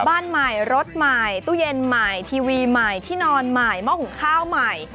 บ้านใหม่รถใหม่ตู้เย็นใหม่ทีวีใหม่ที่นอนใหม่หม้อหุงข้าวใหม่